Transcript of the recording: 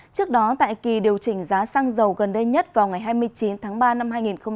trước đó tại kỳ điều chỉnh giá xăng dầu gần đây nhất vào ngày hai mươi chín tháng ba năm hai nghìn hai mươi